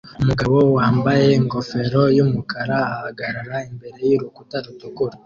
Umugabo wambaye ingofero yumukara ahagarara imbere yurukuta rutukura